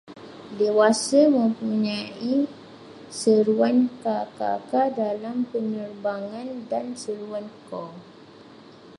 Dewasa mempunyai seruan ka-ka-ka dalam penerbangan dan seruan ko